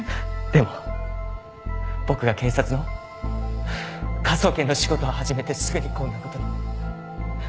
でも僕が警察の科捜研の仕事を始めてすぐにこんな事に。